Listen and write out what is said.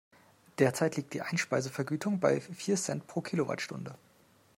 Derzeit liegt die Einspeisevergütung bei vier Cent pro Kilowattstunde.